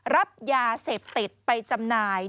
รับยาเสพติดไปจำหน่าย